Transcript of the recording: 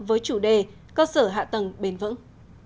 với chủ đề cơ sở hạ tầng bền vững